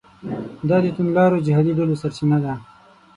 دا د توندلارو جهادي ډلو سرچینه ده.